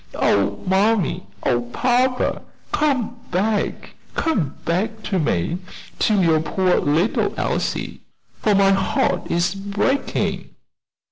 Oh, mammy! Oh, papa! come back, come back to me to your poor little Elsie, for my heart is breaking."